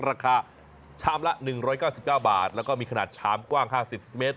ราคาชามละ๑๙๙บาทแล้วก็มีขนาดชามกว้าง๕๐เซนติเมตร